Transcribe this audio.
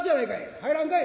入らんかい」。